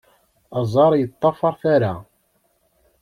Aẓar yeṭṭafar tara.